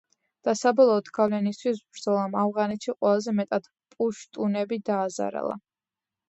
და საბოლოოდ, გავლენისთვის ბრძოლამ ავღანეთში ყველაზე მეტად პუშტუნები დააზარალა.